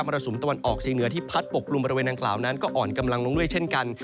รสุมตะวันออกเชียงเหนือที่พัดปกลุ่มบริเวณดังกล่าวนั้นก็อ่อนกำลังลงด้วยเช่นกัน